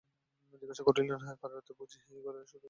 জিজ্ঞাসা করিলেন, কাল রাত্রে বুঝি এই ঘরেই শোওয়া হইয়াছিল?